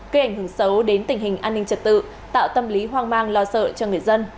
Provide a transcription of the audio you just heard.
gây ảnh hưởng xấu đến tình hình an ninh trật tự tạo tâm lý hoang mang lo sợ cho người dân